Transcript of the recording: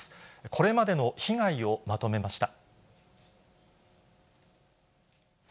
これまでの被害をまとめました。